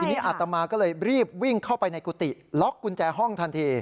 ทีนี้อาตมาก็เลยรีบวิ่งเข้าไปในกุฏิล็อกกุญแจห้องทันที